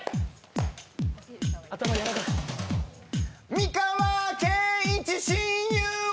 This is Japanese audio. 美川憲一親友は？